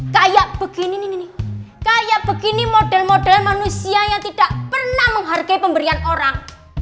kayak begini nih kayak begini model model manusia yang tidak pernah menghargai pemberian orang